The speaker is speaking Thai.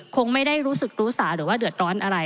คงไม่ได้รู้สึกรู้สาหรือว่าเดือดร้อนอะไร